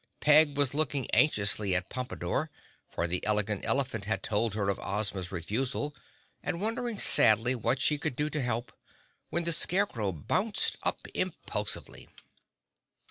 Peg was looking anxiously at Pompadore, for the Elegant Elephant had told her of Ozma's refusal, and wondering sadly what she could do to help, when the Scarecrow bounced up impulsively.